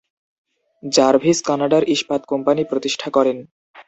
Jarvis কানাডার ইস্পাত company প্রতিষ্ঠা করেন।